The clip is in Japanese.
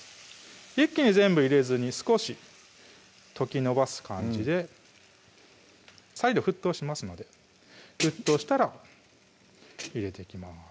一気に全部入れずに少し溶きのばす感じで再度沸騰しますので沸騰したら入れていきます